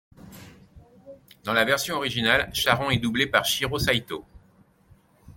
Dans la version originale, Charon est doublé par Shiro Saito.